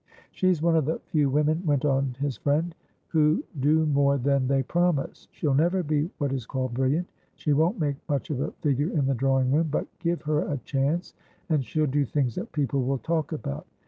"She's one of the few women," went on his friend, "who do more than they promise. She'll never be what is called brilliant. She won't make much of a figure in the drawing room. But, give her a chance, and she'll do things that people will talk about.